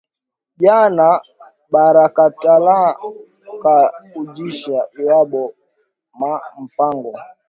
Jana barikatala ku ujisha lwabo ma mpango